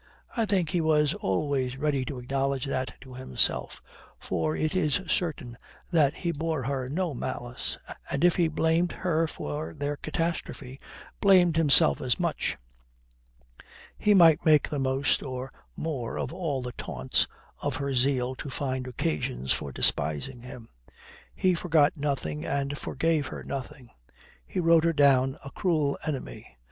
I think he was always ready to acknowledge that to himself, for it is certain that he bore her no malice, and if he blamed her for their catastrophe, blamed himself as much. He might make the most or more of all the taunts, of her zeal to find occasions for despising him. He forgot nothing and forgave her nothing; he wrote her down a cruel enemy.